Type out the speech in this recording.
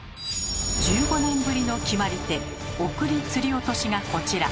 １５年ぶりの決まり手「送り吊り落とし」がこちら。